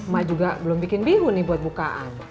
mah juga belum bikin bihu nih buat bukaan